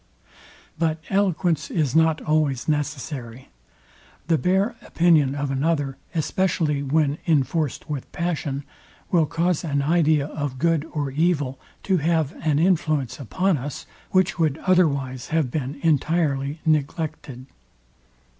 But eloquence is not always necessary. The bare opinion of another, especially when inforced with passion, will cause an idea of good or evil to have an influence upon us, which would otherwise have been entirely neglected.